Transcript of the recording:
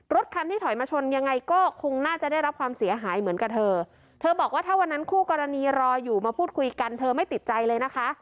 รถคันที่ถอยมาชนยังไงก็คงน่าจะได้รับความเสียหายเหมือนกับเธอเธอบอกว่าถ้าวันนั้นคู่กรณีรออยู่มาพูดคุยกันเธอไม่ติดใจเลยนะคะ